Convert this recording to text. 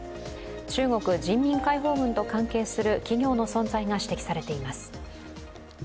中国人民解放軍と関係する企業の存在が指摘されています。